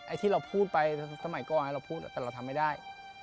ที่เราพูดไปสมัยก่อนเราพูดแต่เราทำไม่ได้